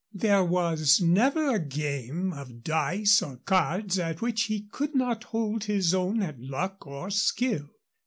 There was never a game of dice or cards at which he could not hold his own at luck or skill.